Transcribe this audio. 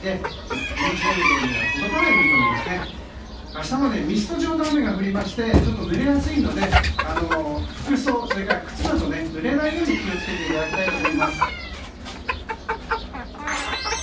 明日もミスト状の雨が降りましてちょっとぬれやすいので服装、それから靴などぬれないように気を付けていただきたいと思います。